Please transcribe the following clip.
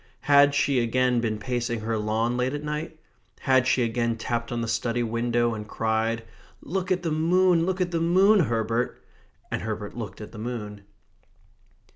Had she again been pacing her lawn late at night? Had she again tapped on the study window and cried: "Look at the moon, look at the moon, Herbert!" And Herbert looked at the moon.